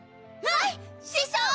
はい師匠！